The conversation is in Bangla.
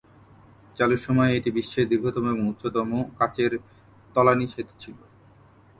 চালুর সময়ে এটি বিশ্বের দীর্ঘতম এবং উচ্চতম কাঁচের-তলানী সেতু ছিল।